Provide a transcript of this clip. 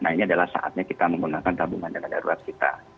nah ini adalah saatnya kita menggunakan tabungan dana darurat kita